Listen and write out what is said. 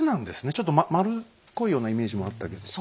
ちょっとまるっこいようなイメージもあったけど。